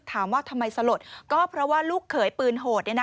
ถามว่าทำไมสลดก็เพราะว่าลูกเขยปืนโหด